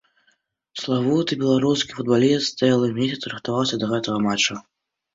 Славуты беларускі футбаліст цэлы месяц рыхтаваўся да гэтага матча.